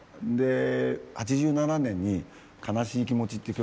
８７年に「悲しい気持ち」って曲。